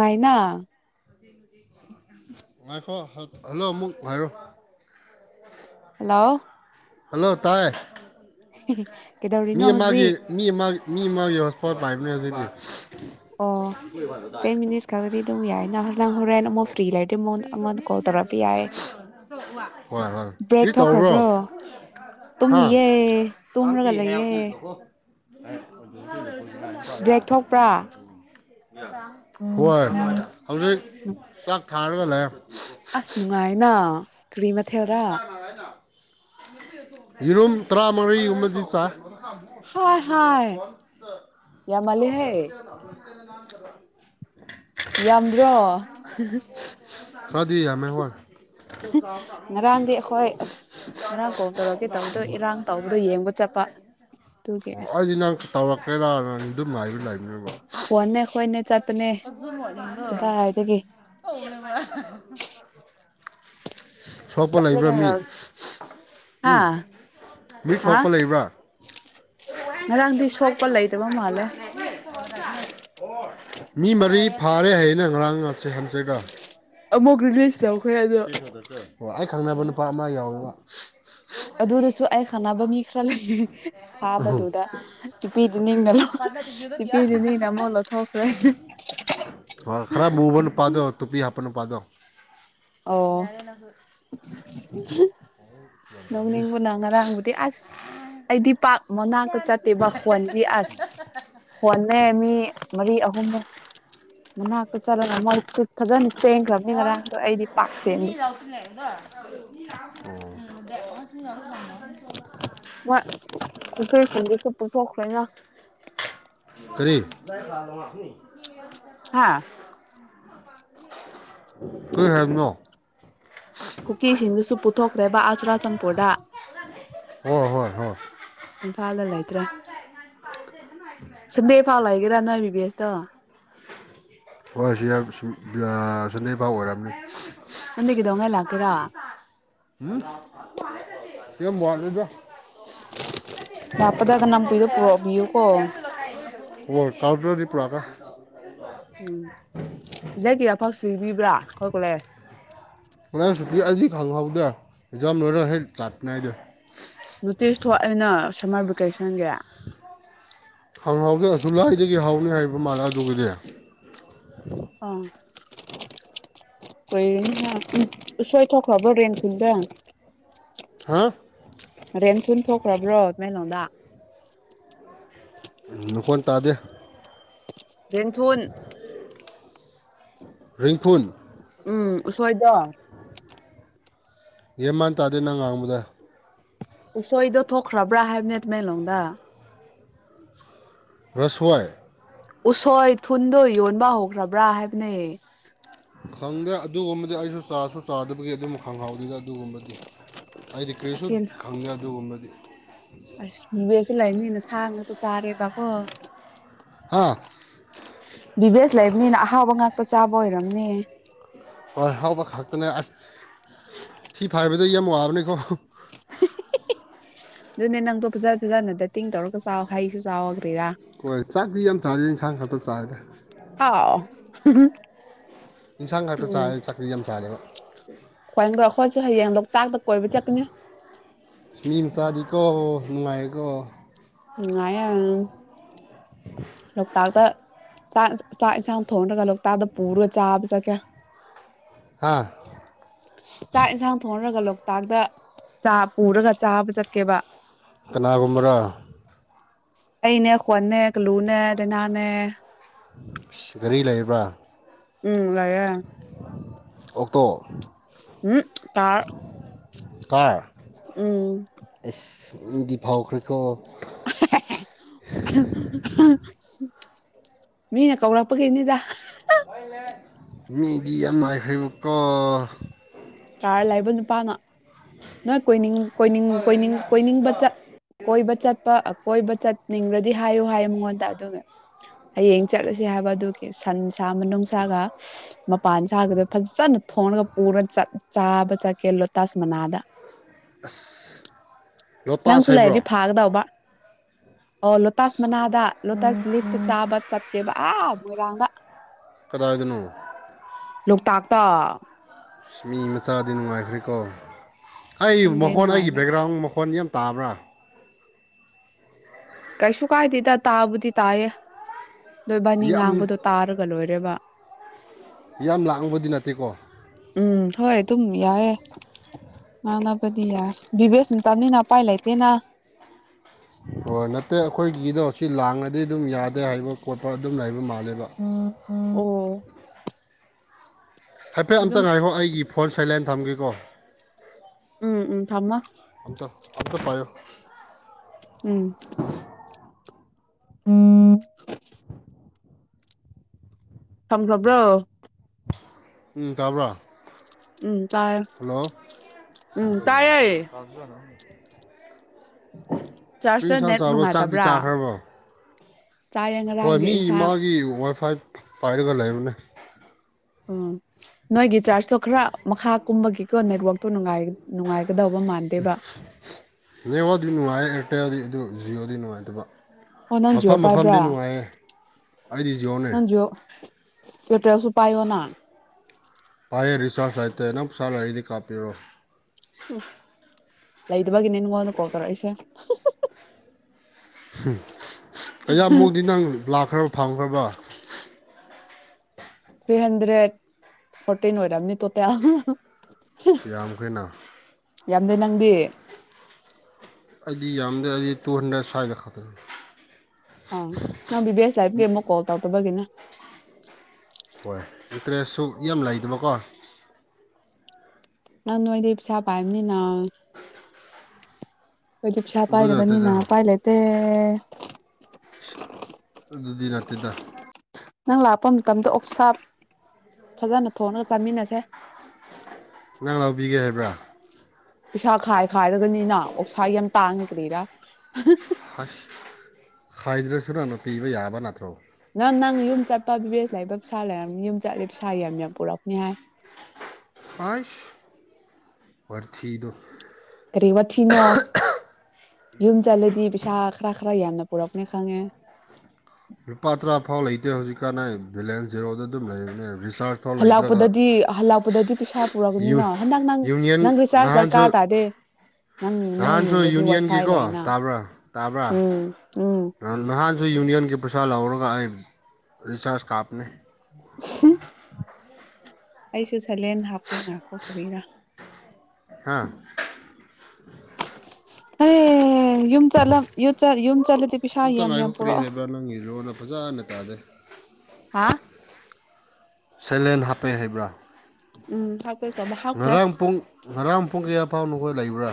ꯍꯥꯏꯅ ꯉꯥꯏꯈꯣ ꯍꯜꯂꯣ ꯃꯛ ꯥꯏꯔꯣ ꯍꯜꯂꯣ ꯍꯜꯂꯣ ꯇꯥꯏ [unintelligible] ꯃꯤ ꯑꯃꯒꯤ ꯍꯧꯖꯤꯛ ꯃꯤ ꯑꯃꯒꯤ ꯃꯤ ꯑꯃꯒꯤ ꯍꯣꯁꯄꯥꯣꯠ ꯄꯥꯏꯕꯅꯦ ꯍꯧꯖꯤꯗꯤ [unintelligible] ꯑꯣ ꯇꯦꯟ ꯃꯤꯅꯤꯠꯁ ꯈꯛꯇꯗꯤ ꯑꯗꯨꯝ ꯌꯥꯏ ꯅꯍ ꯍꯣꯔ ꯅꯪ ꯍꯣꯔꯦꯟ ꯑꯃꯨꯛ ꯐ꯭ꯔꯤ ꯂꯩꯔꯗ ꯑꯃꯨꯛ ꯑꯩꯉꯣꯟꯗ ꯀꯣꯜ ꯇꯧꯔꯛꯄ ꯌꯥꯏ ꯍꯣꯏ ꯍꯣꯏ ꯕ꯭ꯔꯦꯛ ꯀꯔꯤ ꯇꯧꯕ꯭ꯔꯣ ꯊꯣꯛꯈ꯭ꯔꯕ꯭ꯔꯣ ꯇꯨꯝꯌꯦ ꯇꯨꯝꯔꯒ ꯍꯥꯏꯣ ꯂꯩꯌꯦ ꯕ꯭ꯔꯦꯛ ꯊꯣꯛꯄ꯭ꯔꯥ ꯎ [unintelligible] ꯋꯥꯔ ꯍꯧꯖꯤꯛ ꯆꯥꯛ ꯊꯥꯔꯒꯂ ꯑꯁ ꯅꯨꯡꯉꯥꯏꯅ ꯀꯔꯤ ꯃꯊꯦꯜꯔꯥ ꯇꯔꯅꯦꯅ ꯌꯦꯤꯔꯨꯝꯝ ꯇꯔꯥꯃꯔꯤ ꯑꯃꯗꯤ ꯆꯥ ꯍꯥꯏ ꯑꯗꯨ ꯑꯃꯨꯛꯩꯅ ꯍꯥꯏ ꯌꯥꯝꯃꯜꯂꯦꯍꯦ [unintelligible] ꯌꯥꯝꯗ꯭ꯔꯣ ꯀꯗꯤ ꯌꯥ ꯃ ꯍꯔ ꯉꯔꯥꯡꯗꯤ ꯑꯩꯈꯣꯏ ꯑꯁ ꯉꯔꯥꯡ ꯀꯣꯜ ꯇꯧꯔꯛꯀꯦ ꯇꯧꯕꯗꯣ ꯏꯔꯥꯡ ꯇꯧꯕꯗꯣ ꯌꯦꯡꯕ ꯆꯠꯄ ꯑꯗꯨꯒꯤ ꯑꯣ ꯑꯁ ꯑꯩꯗꯤ ꯅꯪ ꯇꯧꯔꯛꯀꯦꯔꯥꯅ ꯑꯗꯨꯝ ꯃꯥꯏꯔꯤ ꯂꯩꯥꯏꯅꯤꯕ ꯍꯣꯟꯅꯦ ꯑꯩꯈꯣꯏꯅꯦ ꯆꯠꯄꯅꯦ ꯑꯁꯨ ꯃꯗꯣꯅ ꯀꯗꯥꯏꯗꯒꯤ ꯆꯠꯂꯒ ꯎꯝ ꯍꯥꯥ ꯃꯤ ꯍꯥ ꯁꯣꯛꯄ ꯂꯩꯕ꯭ꯔꯥ ꯉꯔꯥꯡꯗꯤ ꯁꯣꯛꯄ ꯂꯩꯇꯕ ꯃꯥꯜꯂꯦ ꯃꯤ ꯃꯔꯤ ꯐꯥꯔꯦ ꯍꯥꯏꯅ ꯉꯔꯥꯡ ꯉꯥꯛꯁ ꯍꯥꯝꯖꯒ꯭ꯔ ꯑꯃꯃꯨꯛ ꯔꯔꯤꯂꯤꯁ ꯊ ꯐꯤꯁ ꯍꯗꯔ ꯆꯦ ꯈꯪꯅꯕ ꯅꯨꯄꯥ ꯑꯃ ꯌꯥꯎꯔꯒ ꯑꯗꯨꯗꯁꯨ ꯑꯩ ꯈꯪꯅꯕ ꯃꯤ ꯈꯔ ꯂꯩ ꯐꯥꯕꯗꯨꯗ ꯇꯤꯄꯤꯗꯤ ꯅꯤꯡꯅ ꯇꯤꯄꯤꯗꯤ ꯅꯤꯡꯅ ꯑꯃꯨꯛ ꯂꯧꯊꯣꯛꯈ꯭ꯔꯦ ꯄꯅ ꯄꯥꯗꯣ ꯑꯣ ꯅꯧꯅꯤꯡꯕꯅ ꯉꯔꯥꯡꯕꯨꯗꯤ ꯑꯁ ꯑꯩꯗꯤ ꯄꯥꯛ ꯃꯅꯥꯛꯇ ꯆꯠꯇꯦꯕ ꯍꯣꯟꯗꯤ ꯑꯁ ꯍꯣꯟꯅꯦ ꯃꯤ ꯃꯔꯤ ꯑꯍꯨꯝ ꯃꯅꯥꯛꯇ ꯆꯠꯂꯒ ꯃ ꯍ ꯏ ꯆꯦꯟꯗꯦ ꯂꯥꯎꯇ ꯍꯥꯏꯗꯣ ꯎ [unintelligible] ꯑꯩꯈꯣꯏꯁꯤꯡꯗꯁꯨ ꯄꯨꯊꯣꯛꯈ꯭ꯔꯦꯅ ꯑꯅꯤ ꯍꯥꯥ ꯍ ꯍꯥꯏꯦꯕꯅꯣ ꯀꯨꯀꯤꯁꯤꯡꯗꯨꯁꯨ ꯄꯨꯊꯣꯛꯈ꯭ꯔꯦꯕ ꯑꯆꯨꯔꯥꯆꯝꯄꯣꯗ ꯍ ꯏꯝꯐꯥꯜꯗ ꯂꯩꯇ꯭ꯔꯦ ꯁꯟꯗꯦ ꯏꯝꯐꯥꯜ ꯂꯩꯒꯦꯔꯥ ꯅꯥ ꯍꯥꯏꯕꯤꯕꯁ ꯨꯠꯇ ꯍꯣꯏ ꯁꯤ ꯁꯟꯗꯩ ꯄꯥꯎ ꯑꯣꯏꯔꯝꯃꯤ ꯆꯟꯦ ꯀꯗꯧꯉꯦ ꯂꯥꯛ ꯀꯦꯔꯥ ꯎꯝ ꯌꯦ ꯔꯗ ꯂꯥꯛꯄꯗ ꯀꯅꯥꯝꯄꯨꯏꯗꯣ ꯄꯨꯔꯛꯕꯤꯌꯨꯀꯣ ꯋꯥꯠ ꯁꯥꯎꯗꯗꯤ ꯄꯨ꯭ꯔ ꯀ ꯎꯝ ꯂꯀꯤ ꯑꯐꯛꯁꯤꯕꯤꯕ꯭ꯔꯥ ꯑꯩꯈꯣꯏ ꯀꯣꯂꯦ ꯑꯗꯨ ꯑꯗꯨ ꯈꯪꯍꯧꯗ꯭ꯔ ꯑꯦꯛꯖꯥꯝ ꯂꯣꯏꯔ ꯍꯦꯛ ꯆꯥꯠꯄꯅꯦꯏꯗ ꯅꯣꯇꯤꯁ ꯊꯣꯛ ꯑꯩꯅ ꯁꯝꯃꯔ ꯚꯦꯀꯦꯁꯟꯒꯤ ꯈꯪꯍꯥꯎꯗ ꯑꯁꯨ ꯂꯥꯏꯗꯒꯤ ꯍꯥꯎꯅꯤ ꯍꯥꯏꯕ ꯃꯥꯜꯂ ꯑꯗꯨꯒꯗꯤ ꯑ ꯀ ꯁꯣꯏ ꯊꯈꯕ ꯔꯦꯟ ꯈꯟꯗꯦ ꯍꯥ ꯔꯦꯟꯟ ꯊꯣꯛꯈ꯭ꯔꯕ꯭ꯔꯣ ꯃꯂꯣꯗ ꯅꯈꯣꯟ ꯇꯥꯗꯦ ꯊ ꯔꯤꯡꯐꯨꯟ ꯎꯝ ꯎꯁꯣꯏꯗ ꯌꯦꯦꯝ ꯃꯥꯟ ꯇꯥꯗꯦ ꯅꯪ ꯉꯥꯡꯕꯗ ꯎꯁꯣꯏꯗꯣ ꯊꯣꯛꯈ꯭ꯔꯕ꯭ꯔꯥ ꯍꯥꯏꯕꯅꯦ ꯇꯃꯥꯏꯂꯣꯗ ꯔꯁꯋꯥꯏ ꯎꯁꯣꯏ ꯊꯨꯟꯗꯣ ꯌꯣꯟꯕ ꯍꯧꯈ꯭ꯔꯕ꯭ꯔꯥ ꯍꯥꯏꯕꯅꯦꯌꯦ ꯈꯪꯗꯦ ꯑꯗꯨꯒꯨꯝꯕꯗꯤ ꯑꯩꯁꯨ ꯆꯥꯁꯨ ꯆꯥꯗꯕꯒꯤ ꯑꯗꯨꯝ ꯈꯪꯍꯧꯗꯦꯗ ꯑꯗꯨꯒꯨꯝꯕꯗꯤ ꯑꯩꯗꯤ ꯀꯔꯤꯁꯨ ꯑꯁꯤꯅ ꯈꯪꯗꯦ ꯑꯗꯨꯒꯨꯝꯕꯗꯤ ꯑꯁ ꯕꯤꯕꯦꯁꯤ ꯂꯩꯕꯅꯤꯅ ꯁꯥ ꯉꯥꯛꯇ ꯆꯥꯔꯦꯕꯀꯣ ꯍꯥ ꯕꯤꯕꯦꯁ ꯂꯩꯕꯅꯤꯅ ꯑꯍꯥꯎꯕ ꯉꯥꯛꯇ ꯆꯥꯕ ꯑꯣꯏꯔꯝꯅꯦ ꯍꯣꯏ ꯍꯥꯎꯕ ꯈꯛꯇꯅꯦ ꯑꯁ ꯐꯤ ꯐꯥꯕꯗ ꯌꯥꯝ ꯋꯥꯕꯅꯤꯀꯣ ꯑꯗꯨꯅꯦ ꯅꯪꯗꯣ ꯐꯖ ꯐꯖꯅ ꯗ ꯇꯤꯡ ꯇꯧꯔꯒ ꯆꯥꯎ ꯍꯩꯁꯨ ꯆꯥꯎꯒ ꯍꯣꯏ ꯆꯥꯛꯗꯤ ꯌꯥꯝ ꯆꯥꯗꯦ ꯏꯟꯁꯥꯡ ꯈꯥꯛꯛꯇ ꯆꯥꯗ ꯑꯥꯎ ꯏꯟꯁꯥꯡ ꯈꯛꯇ ꯎꯝ ꯆꯥꯏ ꯆꯥꯛꯇꯤ ꯌꯥꯝ ꯆꯥꯗꯦꯕ ꯈꯗ ꯑꯩꯈꯣꯏꯁꯨ ꯍꯌꯦꯡ ꯂꯣꯛꯇꯥꯛꯇ ꯀꯣꯏꯕ ꯆꯠꯀꯅꯤ ꯀꯣ ꯅꯨꯡꯉꯥꯏꯀꯣ ꯎ ꯑ ꯂꯣꯛꯇꯥꯛꯇꯥꯛ ꯆꯥꯛ ꯌꯦꯟꯁꯥꯡ ꯊꯣꯡꯔꯒ ꯂꯣꯛꯇꯥꯛꯇ ꯄꯨꯔꯒ ꯆꯥꯕꯁꯦ ꯀꯌꯥ ꯍꯥ ꯆꯥꯛ ꯏꯟꯁꯥꯡ ꯊꯣꯡꯅꯔꯒ ꯂꯣ ꯂꯣꯛꯇꯥꯛꯇ ꯆꯥ ꯄꯨꯔꯒ ꯆꯥꯕ ꯆꯠꯀꯦꯕ ꯀꯅꯥꯒꯨꯨꯝꯔꯣ ꯑꯩꯅꯦ ꯈꯣꯟꯅꯦ ꯑꯂꯨꯅꯦ ꯗꯗꯥꯩꯅꯥꯅꯦ ꯒꯥꯔꯤ ꯂꯩꯕ꯭ꯔ ꯎꯝ ꯂꯩꯌꯦ ꯑꯣꯛꯇꯣ ꯎꯝ ꯇꯥ ꯀ ꯎꯝ ꯏꯗꯤ ꯐꯥꯎꯈ꯭ꯔꯤꯀ ꯃꯤꯅ ꯀꯧꯔꯛꯄꯒꯤꯅꯤꯗ ꯃꯦꯗꯤꯌꯥ ꯃꯥꯏꯐꯩꯕꯀꯣ ꯀꯥꯔ ꯂꯩꯕ ꯅꯨꯄꯥꯅ ꯅꯣꯏ ꯀꯣꯏꯅꯤꯡ ꯀꯣꯏꯅꯤꯡ ꯀꯅꯤꯡ ꯀꯣꯏꯅꯤꯡꯕ ꯆꯠ ꯀꯣꯏꯕ ꯆꯠꯄ ꯀꯣꯏꯕ ꯆꯠ ꯅꯤꯡꯕ꯭ꯔꯗꯤ ꯍꯥꯏꯌꯨ ꯍꯥꯏꯌꯦ ꯃꯉꯣꯟꯗ ꯑꯗꯨꯒ ꯍꯌꯦꯡ ꯆꯠꯂꯁꯤ ꯍꯥꯏꯕ ꯑꯗꯨꯒꯤ ꯁꯟꯁ ꯁꯥ ꯃꯅꯨꯡ ꯁꯥꯒ ꯃꯄꯥꯟ ꯁꯥꯒꯗꯣ ꯐꯖꯅ ꯊꯣꯡꯒ ꯄꯨꯔꯒ ꯆꯥꯕ ꯆꯠꯀꯦ ꯂꯣꯇꯥꯁ ꯃꯅꯥꯗ ꯑꯁ ꯅꯪꯁꯨ ꯂꯩꯔꯗꯤ ꯐꯥꯒꯗꯧꯕꯕ ꯑꯣ ꯂꯇꯥꯥꯁ ꯃꯅꯥꯗꯥ ꯂꯣꯇꯁ ꯂꯤꯞꯇ ꯆꯥꯕ ꯆꯠꯀꯦꯕ ꯑꯕꯨꯔꯗ ꯀꯗꯥꯗꯅꯣ ꯂꯣꯛꯇꯥꯛꯇ ꯃꯤ ꯃꯆꯥꯗꯤ ꯅꯨꯡꯉꯥꯏꯈ꯭ꯔꯦꯀꯣ ꯑꯩ ꯈꯪꯗꯦ ꯃꯈꯣꯟ ꯑꯩꯒꯤ ꯅꯨꯡꯉꯥꯏꯒꯗ꯭ꯔꯥ ꯕꯦꯛꯒ꯭ꯔꯥꯎꯟ ꯃꯈꯣꯟ ꯌꯥꯝ ꯇꯥꯕ꯭ꯔꯥ ꯀꯩꯁꯨ ꯀꯥꯏꯗꯦꯗ ꯇꯥꯕꯨꯗꯤ ꯇꯥꯏꯌꯦ ꯅꯣꯏ ꯕꯥꯅꯤ ꯌꯥꯝ ꯉꯥꯡꯕꯗꯣ ꯇꯥꯔꯒ ꯂꯣꯏꯔꯦꯕ ꯌꯥꯝ ꯂꯥꯛꯨꯕꯗꯤ ꯅꯠꯇꯦꯀꯣ ꯎꯝ ꯍꯣꯏ ꯑꯗꯨꯝ ꯌꯥꯏꯏꯦ ꯃꯥꯅꯥꯕꯗꯤꯌꯥ ꯕꯤꯕꯦꯁ ꯅꯇꯕꯅꯤꯅ ꯄꯥꯏ ꯂꯩꯇꯦꯅ ꯑꯣꯣꯏ ꯅꯠꯇꯦ ꯑꯩꯈꯣꯏꯒꯤꯗꯣ ꯁꯤ ꯂꯥꯡꯉꯗꯤ ꯑꯗꯨꯝ ꯌꯥꯗꯦ ꯍꯥꯏꯕ ꯈꯣꯠꯄ ꯑꯗꯨꯝ ꯂꯩꯕ ꯃꯥꯜꯂꯦꯕ ꯍꯥꯞ ꯑꯣ ꯍꯥꯏꯐꯦꯠ ꯑꯝꯇ ꯑꯗꯨꯝ ꯉꯥꯏꯍꯣ ꯑꯩꯒꯤ ꯐꯣꯟ ꯁꯥꯏꯂꯥꯏꯦꯟ ꯊꯝꯒꯦ ꯀꯣ ꯎꯝ ꯎꯝ ꯊꯃ ꯑꯗꯨꯠꯇ ꯄꯣ ꯎꯝ ꯑ ꯁꯝꯂꯕ꯭ꯔꯣ ꯎꯝ ꯇꯕ꯭ꯔꯥ ꯎꯝ ꯇꯥꯏ ꯍꯜꯂꯣ ꯎꯝ ꯇꯥꯏꯌꯦ [unintelligible] ꯆꯥꯔꯖꯇ ꯀꯔꯤꯁꯥꯡ ꯅꯦꯠ ꯆꯥꯎꯥꯔꯕ꯭ꯔꯣ ꯆꯥꯛꯇꯤ ꯅꯨꯡꯉꯥꯏꯇꯕ꯭ꯔꯥ ꯆꯥꯈ꯭ꯔꯕꯣ ꯆꯥꯏꯌꯦ ꯍꯣꯏ ꯉꯔꯥꯡꯒꯤ ꯃꯤ ꯏꯟꯁꯥꯡ ꯃꯥꯒꯤ ꯋꯥꯏ ꯐꯥꯏ ꯄꯥꯏꯔ ꯀ ꯂꯩ ꫪ‌ꯣꯅꯦ ꯑꯪ ꯅꯣꯏꯒꯤ ꯆꯥꯔꯁ ꯈꯔ ꯃꯈꯥ ꯀꯨꯝꯕꯒꯤꯀꯣ ꯅꯦꯠꯋꯥꯛꯇꯣ ꯅꯨꯡꯉꯥꯏ ꯅꯨꯡꯉꯥꯏꯒꯗꯧꯕ ꯃꯥꯟꯗꯦꯕ ꯅ‌ꯦꯋꯥꯛ ꯅꯨꯡ ꯏꯇ ꯑꯗꯨ ꯖꯤꯑꯣꯗꯤ ꯅꯨꯡꯉꯥꯏꯇꯕ ꯑꯣ ꯅꯪ ꯖꯤꯑꯣ ꯃꯐꯝ ꯃꯐꯝꯗꯤ ꯄꯥꯏꯕ꯭ꯔꯥ ꯅꯨꯡꯉꯥꯏꯌꯦ ꯑꯩꯗꯤ ꯖꯤꯣꯟꯅꯦ ꯄꯇꯔꯁꯨ ꯄꯥꯏꯌꯣꯅ ꯐꯥꯥꯏꯦ ꯔꯔꯤꯁꯥꯖ ꯍꯂꯩꯏꯦ ꯅꯪꯅꯄꯩꯁꯥ ꯂꯩꯔꯗꯤ ꯀ ꯄꯤꯔꯣ ꯎꯝ ꯂꯩꯗꯕꯒꯤꯅꯦꯉꯣꯟꯗ ꯀꯥꯎ ꯇꯔꯛꯏꯁꯦ ꯀꯌꯥꯃꯨꯛꯗꯤ ꯅꯪ ꯂꯥꯛꯈ꯭ꯔꯕ ꯐꯪꯈ꯭ꯔꯕ ꯊ꯭ꯔꯤ ꯍꯟꯗ꯭ꯔꯦꯠ ꯐꯣꯔꯇꯤꯟ ꯑꯣꯏꯔꯝꯅꯤ ꯇꯣꯇꯦꯜ ꯁꯤ ꯌꯥꯝꯈ‌ꯦ꯭ꯔ ꯅ ꯌꯥꯝꯗ‌ꯦꯅꯪꯗꯤ ꯗꯤ ꯌꯥꯝꯗꯦ ꯍꯥꯏꯗꯤ ꯇꯨ ꯍꯟꯗ꯭ꯔꯦꯠ ꯁ꯭ꯋꯥꯏꯗ ꯈꯛꯇꯪ ꯑꯝ ꯅꯪꯕꯤ ꯕꯦꯁ ꯂꯥꯏꯐꯒꯦ ꯑꯃꯨꯛ ꯀꯣꯜ ꯇꯥꯎ ꯇꯕꯒꯤꯅꯤ ꯍꯣꯏ ꯑꯦꯇ꯭ꯔꯦꯁꯁꯨ ꯌꯥꯝ ꯂꯩꯗꯕꯀꯣ ꯅꯪ ꯅꯣꯏꯗꯤ ꯄ ꯁꯥꯥ ꯄꯥꯏꯝꯅꯤ ꯅ ꯀꯣꯏꯗꯤ ꯆꯥ ꯑꯗꯨ ꯅꯠꯇꯦꯗ ꯄꯥꯏꯂꯕꯅꯤꯅ ꯄꯥꯏꯂꯠꯇꯦ ꯑꯦ ꯑꯗꯨꯗꯤ ꯅꯠꯇꯦꯗ ꯅꯪ ꯂꯥꯛꯄ ꯃꯇꯝꯗ ꯑꯣꯛꯁꯥꯞ ꯐꯖꯅ ꯊꯣꯡꯉꯒ ꯆꯥꯃꯤꯟꯅꯁꯦ ꯅꯪ ꯂꯥꯎꯕꯤꯒꯦ ꯍꯥꯏꯕ꯭ꯔꯥ ꯄꯩꯁꯥ ꯈꯥꯏ ꯈꯥꯏꯔꯒꯅꯤꯅ ꯑꯣꯛꯁꯥ ꯌꯥꯝ ꯇꯥꯡꯉꯦ ꯀꯔꯤꯔꯥ ꯑꯁ ꯈꯥꯏꯗ꯭ꯔꯁꯨ ꯅꯪꯅ ꯄꯤꯕ ꯌꯥꯕ ꯅꯠꯇ꯭ꯔꯣ ꯅꯪ ꯅꯪ ꯌꯨꯝ ꯆꯠꯄ ꯕꯦꯁ ꯂꯩꯕ ꯄꯩꯁꯥ ꯂꯩꯔꯝꯅꯤ ꯌꯨꯝ ꯆꯠꯂ ꯄꯩꯁꯥ ꯌꯥꯝ ꯌꯥꯝ ꯄꯨꯔꯄꯅꯤ ꯍꯥꯏ ꯐꯏꯁ ꯋꯥꯊꯤꯗ‌ꯣ ꯀꯔꯤ ꯋꯥꯊꯤꯅꯣ ꯌꯨꯝ ꯆꯠꯂꯗꯤ ꯄꯩꯁꯥ ꯈꯔ ꯈꯔ ꯌꯥꯝꯅ ꯄꯨꯔꯛꯅꯦ ꯈꯪꯉꯦ ꯂꯨꯄꯥ ꯇꯔꯥ ꯐꯥꯎ ꯂꯩꯇꯦ ꯍꯧꯖꯤꯛꯀꯥꯟ ꯑꯩ ꯕꯥꯂꯦꯟꯁ ꯖꯦꯔꯣꯗ ꯑꯗꯨꯝ ꯂꯩꯔꯅꯦ ꯍꯜꯂꯛꯄꯗꯗꯤ ꯍꯜꯂꯛꯄꯗꯗꯤ ꯄꯩꯁꯥ ꯌꯨ ꯄꯨꯔꯀꯅꯤꯅꯣ ꯍꯟꯗꯛ ꯅꯪ ꯌꯨꯅꯤꯌꯟ ꯅꯪ ꯔꯤꯆꯥꯔꯖ ꯅꯍꯥꯟꯁꯨ ꯗꯔꯀꯥꯔ ꯇꯥꯗꯦ ꯅꯪ ꯅꯣꯏ ꯅꯍꯥꯟꯁꯨ ꯌꯨꯝꯗꯗꯤ ꯋꯥꯏꯐꯥꯏ ꯌꯨꯅꯤꯌꯟꯒꯤꯀꯣ ꯂꯩꯅ ꯇꯥꯕ꯭ꯔꯥ ꯇꯥꯕ꯭ꯔꯥ ꯎꯝ ꯎꯝ ꯅꯍꯥꯟꯁꯨ ꯌꯨꯅꯤꯌꯟꯒꯤ ꯄꯩꯁꯥ ꯂꯧꯔ ꯑꯩꯔꯤꯆꯥꯖ ꯀꯥꯞꯅꯦ ꯑꯩꯁꯨ ꯁꯦꯂꯦꯟ ꯍꯥꯞꯀꯦ ꯉꯥꯏꯥꯛ ꯀꯣ ꯀꯔꯤꯔꯥ ꯍꯥꯥ ꯍ ꯌꯨꯝ ꯆꯠꯂ ꯌꯨꯝ ꯆꯠꯂ ꯑꯝꯇ ꯍꯥꯏꯌꫭ ꯀꯔꯤ ꯍꯥꯏꯕ꯭ꯔꯥ ꯅꯪꯒꯤꯂꫭꯟꯗꫭ ꯐꯖꯅ ꯇꯥꯗ‌ꯦ ꯍꯥꯥ ꯁꯩꯂꯦꯟ ꯍꯥꯞꯄꯦ ꯍꯥꯏꯩꯕ꯭ꯔꯥ ꯎꯝ ꯍꯥꯞꯀꯦꯀꯣꯕ ꯍꯥꯞꯈ꯭ꯔꯣ ꯉꯥꯔꯡ ꯄꯨꯡ ꯉꯔꯝ ꯄꯨꯡꯌꯥ ꯑꯐꯥꯎ ꯃꯈꯣꯏ ꯂꯩꯕ꯭ꯔꯥ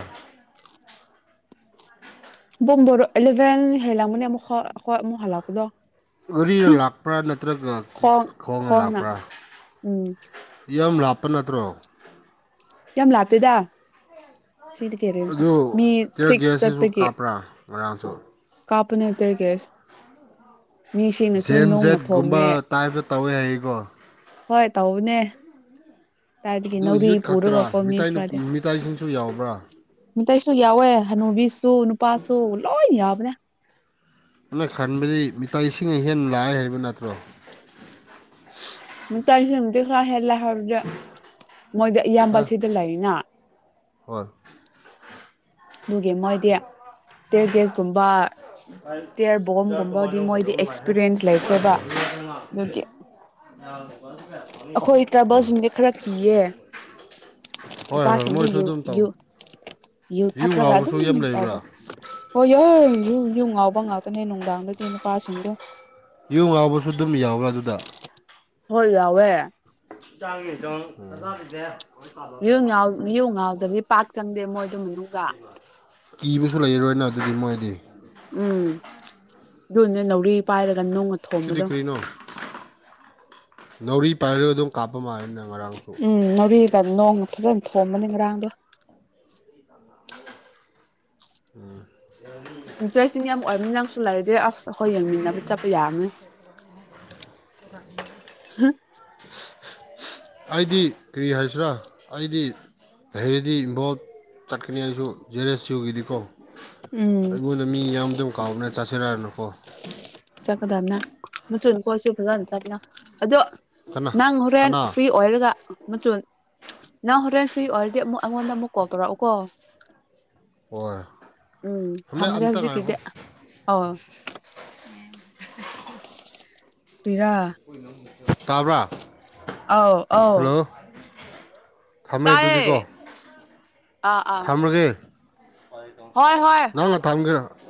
ꯄꯨꯡꯕꯥꯔꯣ ꯏꯂꯦꯚꯦꯟ ꯍꯦꯜꯂ ꯃꯅꯤ ꯑꯃꯨꯛꯣꯏꯨꯛ ꯍꯂꯥꯎꯀꯗꯣ ꯔꯤꯅ ꯂꯥꯛꯄ꯭ꯔꯥ ꯅꯠꯇ꯭ꯔꯒ ꯈꯣꯡꯅ ꯂꯥꯛꯄ꯭ꯔꯥ ꯎꯝ ꯌꯥꯝ ꯄ ꯅꯠꯇ꯭ꯔꯣ ꯌꯥꯝ ꯂꯥꯞꯇꯦꯗ ꯁꯤꯗꯤ ꯀꯩꯔ ꯑꯗꯨ ꯃꯤ ꯇꯤꯌꯔ ꯁꯤꯛꯁ ꯒ꯭ꯌꯥꯁꯁꯤꯁꯨ ꯆꯠꯄꯒꯤ ꯀꯥꯞꯄ꯭ꯔꯥ ꯉꯔꯥꯡꯁꯨ ꯀꯥꯞꯄ ꯅꯠꯇꯔꯒꯦ ꯖꯦꯟ ꯖꯦꯠꯒꯨꯝꯕ ꯊꯣꯝꯃꯦ ꯇꯥꯏꯞꯇ ꯇꯧꯋꯦ ꯍꯥꯏꯌꯦꯀꯣ ꯍꯣꯏ ꯇꯧꯕꯅꯦ ꯀꯥꯏꯗꯒꯤ ꯑꯗꯨ ꯅꯥꯎꯔꯤ ꯌꯨꯠ ꯈꯛꯇ꯭ꯔꯥ ꯄꯨꯔꯒꯀꯣ ꯃꯤ ꯈꯔꯗꯤ ꯃꯤꯇꯩꯇꯥꯏꯁꯤꯡꯁꯨ ꯌꯥꯎꯕ꯭ꯔꯥ ꯀꯩꯁꯨ ꯌꯥꯎꯋꯦ ꯍꯅꯨꯕꯤꯁ ꯁꯣꯅꯄꯥ ꯁꯣ ꯂꯣꯏ ꯌꯥꯕꯅ ꯑꯩꯅ ꯈꯟꯕꯗꯤ ꯃꯤꯇ ꯏꯁꯤꯡ ꯑꯍꯦꯟ ꯂꯥꯛꯑ ꯍꯥꯏꯔꯤꯕ ꯅꯠꯇ꯭ꯔꯣ ꯃ ꯆꯥꯁꯦ ꯦꯂ ꯍꯥꯏꯕꯗ ꯃꯣꯏꯁ ꯑꯌꯥꯝꯕ ꯍꯥ ꯁꯤꯗ ꯂꯩꯅ ꯇꯤꯌꯔꯒꯦꯁꯀꯨꯝꯕ ꯇꯤꯌꯔ ꯀꯃ ꯕꯣꯝꯒꯨꯝꯕꯗꯤ ꯐꯗ ꯃꯣꯏꯗꯤ ꯂꯥꯛꯍꯦ ꯑꯦꯛꯁꯄꯤꯔꯤꯌꯦꯟꯁ ꯂꯩꯈ꯭ꯔꯦꯕ ꯑꯗꯨꯒꯤ ꯑꯩꯈꯣꯏ ꯇ꯭ꯔꯥꯏꯕꯦꯜꯁꯤꯡꯗꯤ ꯈꯔ ꯀꯤꯌꯦ ꯍꯣꯏ ꯍꯣꯏ ꯅꯨꯄꯥꯁꯤꯡꯗꯤ ꯃꯣꯏꯁꯨ ꯌꯨ ꯑꯗꯨꯝ ꯇꯧ ꯏꯨꯡ ꯑꯥꯎ ꯑꯗ ꯍ ꯌꯥ ꯎ ꯌꯨꯝ ꯉꯥꯎꯕ ꯉꯥꯛꯇꯅꯦ ꯅꯨꯡꯗꯥꯡꯗꯗꯤ ꯅꯨꯄꯥꯁꯤꯡꯗꯣ ꯏ ꯃꯥꯕꯨ ꯁꯨ ꯑꯗꯨꯝ ꯌꯥꯎꯕ꯭ꯔꯥ ꯑꯗꯨꯗ ꯍꯋꯦ ꯗꯪꯤꯗꯣꯡ ꯉꯕꯤꯗꯦ ꯌꯨ ꯉꯥꯎ ꯌꯨ ꯉꯥꯎꯗ꯭ꯔꯗꯤ ꯄꯥꯛ ꯆꯪꯗꯦ ꯃꯣꯏꯗꯣ ꯃꯅꯨꯡꯗ ꯀꯤꯕꯁꯨ ꯂꯩꯔꯣꯏꯅ ꯑꯗꯨꯗꯤ ꯃꯣꯏ ꯎꯝ ꯑꯗꯨꯅꯦ ꯂꯧꯔꯤ ꯄꯥꯏꯔꯁꯦ ꯅꯣꯡꯅ ꯁꯤꯗꯤ ꯊꯣꯝꯕꯗꯣ ꯅꯥꯔꯤ ꯄꯥꯏꯔꯒ ꯑꯗꯨꯝ ꯀꯥꯞꯄ ꯃꯥꯜꯂꯦꯅ ꯉꯔꯥꯡꯁꯨ ꯎꯝ ꯅꯣꯔꯤ ꯅꯣꯡ ꯐꯖꯅ ꯊꯣꯝꯕꯅꯤ ꯉꯔꯥꯡꯒ ꯎꯝ ꯏꯟꯇꯔꯦꯁꯇꯤꯡ ꯌꯥꯝ ꯑꯣꯏꯕꯅꯤꯅꯁꯨ ꯂꯩꯔꯗꯤꯦ ꯑꯁ ꯑꯩꯈꯣꯏ ꯌꯦꯡꯃꯤꯟꯅꯕ ꯆꯠꯄ ꯌꯥꯔꯅꯤ ꯑꯩꯗꯤ ꯀꯔꯤ ꯍꯥꯏꯁꯤꯔꯥ ꯑꯩꯗꯤ ꯍꯔꯤꯗꯤ ꯏꯕꯣꯠ ꯆꯠꯀꯅꯤ ꯑꯩꯁꯨ ꯖꯦꯔ ꯑꯦꯁ ꯌꯨꯒꯤꯗꯤꯀꯣ ꯎꯝ ꯑꯩꯉꯣꯟꯗ ꯃꯤ ꯌꯥꯝꯌꯥꯝꯕꯗꯧ ꯀꯥꯎ ꯅꯠꯇꯦ ꯆꯠꯁꯤꯔꯅꯀꯣ ꯆꯀꯗꯝꯅꯦ ꯃꯆ ꯀꯣꯁꯨ ꯐꯖꯥꯅ ꯆꯔꯦꯅ ꯑꯗꯨꯗ ꯀꯅꯥ ꯅꯪ ꯍꯣꯔꯦꯟ ꯀꯅꯥ ꯐ꯭ꯔꯤ ꯑꯣꯏꯔꯒ ꯃꯨ ꯅꯪ ꯍꯣꯇꯦꯜ ꯐ꯭ꯔꯤ ꯑꯣꯏꯔꯗꯤ ꯑꯃꯨꯛ ꯑꯩꯉꯣꯟꯗ ꯑꯃꯨꯛ ꯀꯣꯜ ꯇꯧꯔꯛꯎꯀꯣ ꯍꯣꯏ ꯎꯝ ꯊꯝꯃꯦ ꯊꯝꯃꯒꯦ ꯑꯝꯇ ꯉꯥꯏꯈꯣ ꯍꯧꯖꯤꯛꯀꯤꯗꯤ ꯑ ꯄꯔꯥ ꯇꯥꯕ꯭ꯔꯥ ꯑꯥꯎ ꯑꯥꯎ ꯍꯜꯂꯣ ꯊꯝꯃꯦ ꯇꯥꯏꯌꯦ ꯑꯗꯨꯗꯤꯀꯣ ꯑꯥ ꯑꯥ ꯍꯣꯏ ꯍꯣꯏ ꯅꯪꯉ ꯊꯥꯡꯒꯔ